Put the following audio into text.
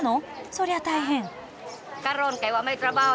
そりゃ大変。